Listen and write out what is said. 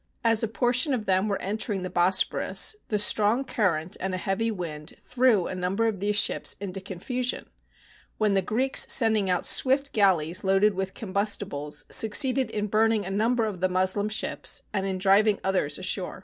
As a portion of them were entering the Bosporus, the strong cur rent and a heavy wind threw a number of these ships into confusion, when the Greeks sending out swift galleys loaded with combustibles, succeeded in burn ing a number of the Moslem ships and in driving others ashore.